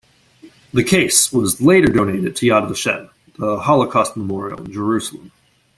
The case was later donated to Yad Vashem, the Holocaust Memorial in Jerusalem.